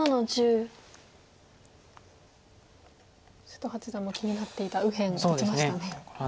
瀬戸八段も気になっていた右辺打ちましたね。